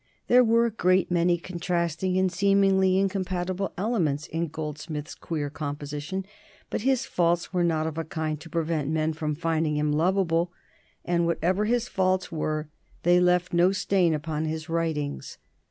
There were a great many contrasting and seemingly incompatible elements in Goldsmith's queer composition, but his faults were not of a kind to prevent men from finding him lovable, and, whatever his faults were, they left no stain upon his writings.